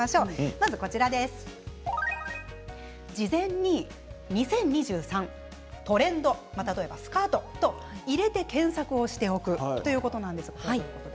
まず事前に２０２３、トレンドスカートと入れて検索をしておくということなんです。